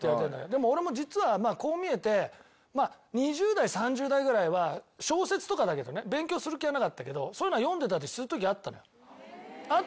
でも俺も実はこう見えて２０代３０代ぐらいは小説とかだけどね勉強する気はなかったけどそういうのは読んでたりする時があったのよ。